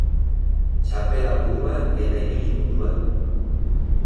Txapela buruan eta ibili munduan.